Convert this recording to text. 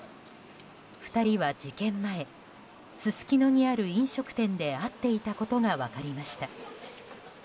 ２人は事件前すすきのにある飲食店で会っていたことが分かりました。